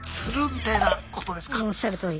おっしゃるとおり。